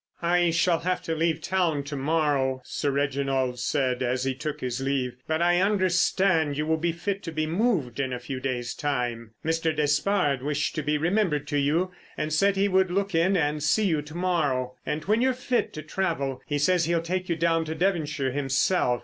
"I shall have to leave town to morrow," Sir Reginald said as he took his leave. "But I understand you will be fit to be moved in a few days' time. Mr. Despard wished to be remembered to you, and said he would look in and see you to morrow; and when you're fit to travel he says he'll take you down to Devonshire himself.